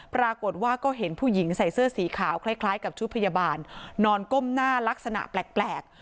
ปรากฏว่าก็เห็นผู้หญิงใส่เสื้อสีขาวคล้ายกับชุดพยาบาลนอนก้มหน้าลักษณะแปลก